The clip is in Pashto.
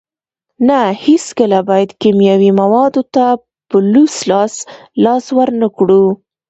نه هیڅکله باید کیمیاوي موادو ته په لوڅ لاس لاس ورنکړو.